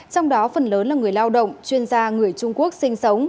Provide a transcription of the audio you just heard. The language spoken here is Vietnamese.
trong đó phần lớn là người lao động chuyên gia người trung quốc sinh sống